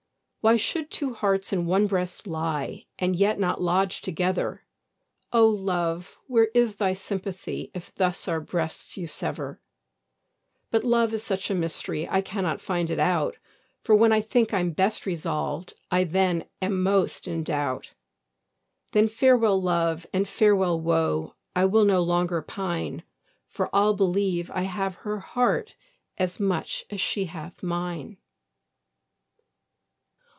Why should two hearts in one breast lie, And yet not lodge together? O love! where is thy sympathy, If thus our breasts you sever? But love is such a mystery, I cannot find it out; For when I think I'm best resolved, I then am most in doubt. Then farewell love, and farewell woe, I will no longer pine; For I'll believe I have her heart As much as she hath mine.